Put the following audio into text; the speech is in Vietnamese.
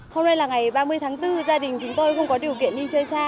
hôm nay là ngày ba mươi tháng bốn gia đình chúng tôi cũng có điều kiện đi chơi xa